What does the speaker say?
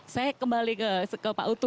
saya kembali ke pak utu